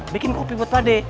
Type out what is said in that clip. bikin kopi buat pak de